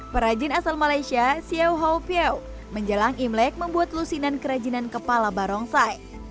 perajin asal malaysia xiao hou piao menjelang imlek membuat lusinan kerajinan kepala barongsai